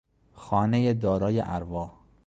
خانهی دارای ارواح